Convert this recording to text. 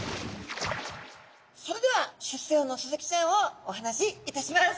それでは出世魚のスズキちゃんをお話しいたします。